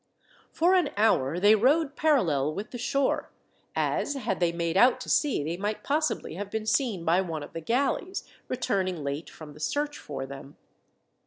For an hour they rowed parallel with the shore, as, had they made out to sea, they might possibly have been seen by one of the galleys, returning late from the search for them.